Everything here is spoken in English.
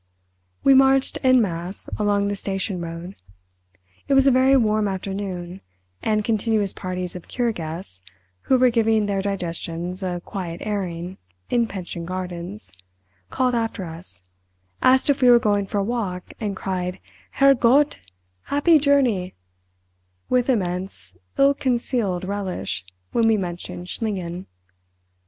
We marched en masse along the station road. It was a very warm afternoon, and continuous parties of "cure guests", who were giving their digestions a quiet airing in pension gardens, called after us, asked if we were going for a walk, and cried "Herr Gott—happy journey" with immense ill concealed relish when we mentioned Schlingen.